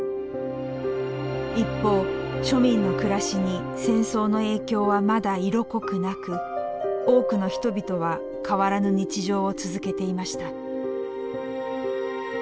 一方庶民の暮らしに戦争の影響はまだ色濃くなく多くの人々は変わらぬ日常を続けていました。